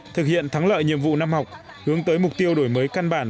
thực hiện thắng lợi nhiệm vụ năm học hướng tới mục tiêu đổi mới căn bản